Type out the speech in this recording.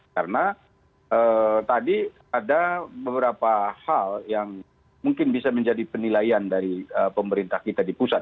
karena tadi ada beberapa hal yang mungkin bisa menjadi penilaian dari pemerintah kita di pusat